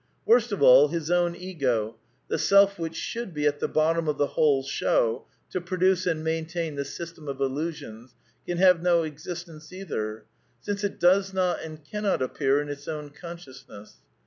Worst of all, his own ego, the self which should be at the bottom of the whole show, to produce and maintain the system of illusions, can have no existence either; since it does not and cannot appear in its own consciousness.